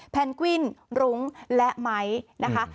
แนนกวินรุ้งและไม้นะคะ